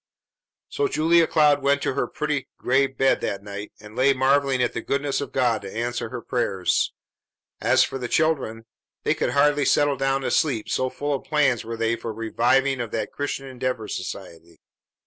So Julia Cloud went to her pretty gray bed that night, and lay marvelling at the goodness of God to answer her prayers. As for the children, they could hardly settle down to sleep, so full of plans were they for the revivifying of that Christian Endeavor Society.